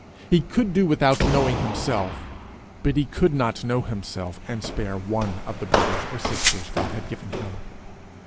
He could do without knowing himself, but he could not know himself and spare one of the brothers or sisters God had given him.